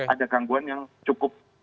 ada gangguan yang cukup